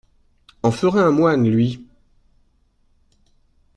En ferait un moine, lui…